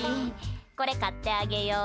これ、買ってあげよう。